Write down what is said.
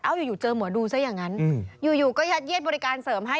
เอ้าอยู่อยู่เจอหมอดูซะอย่างงั้นอืมอยู่อยู่ก็ยัดเย็ดบริการเสริมให้